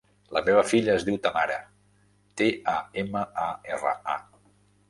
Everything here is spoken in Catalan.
La meva filla es diu Tamara: te, a, ema, a, erra, a.